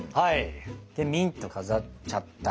でミント飾っちゃったり。